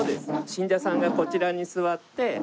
信者さんがこちらに座って。